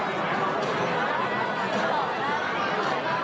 แล้วถ้าเป็นในภาพตัวก็จะเป็นนักงานประสบการณ์กัน